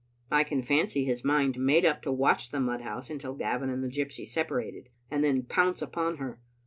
I can fancy his mind made up to watch the mudhouse until Gavin and the gypsy separated, and then pounce upon her.